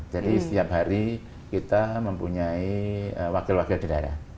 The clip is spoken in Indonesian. jadi setiap hari kita mempunyai wakil wakil di daerah